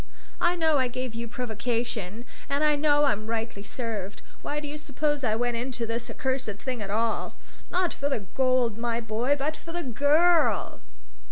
I know I gave you provocation. And I know I'm rightly served. Why do you suppose I went into this accursed thing at all? Not for the gold, my boy, but for the girl!